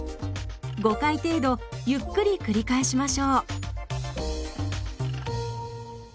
５回程度ゆっくり繰り返しましょう。